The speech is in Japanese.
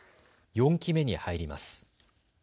４期目に入ります。